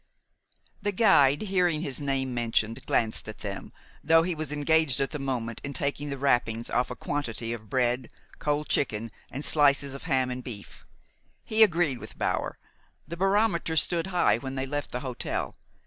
The guide, hearing his name mentioned, glanced at them, though he was engaged at the moment in taking the wrappings off a quantity of bread, cold chicken, and slices of ham and beef. He agreed with Bower. The barometer stood high when they left the hotel.